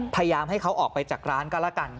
พยายามให้เขาออกไปจากร้านก็แล้วกัน